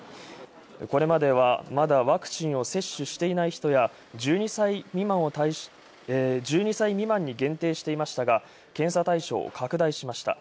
これまではまだワクチンを接種していない人や１２歳未満に限定していましたが検査対象を拡大しました。